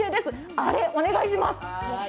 あれ、お願いします。